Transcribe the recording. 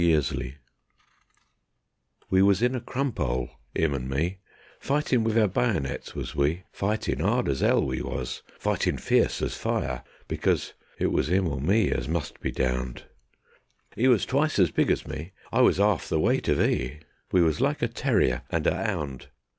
My Prisoner We was in a crump 'ole, 'im and me; Fightin' wiv our bayonets was we; Fightin' 'ard as 'ell we was, Fightin' fierce as fire because It was 'im or me as must be downed; 'E was twice as big as me; I was 'arf the weight of 'e; We was like a terryer and a 'ound.